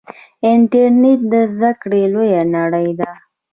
انټرنیټ د زده کړې لویه نړۍ ده.